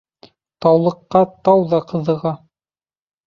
Таулыҡҡа тау ҙа ҡыҙыға.